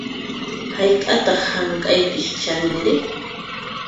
Hayk'ataq hank'aykiq chaninri?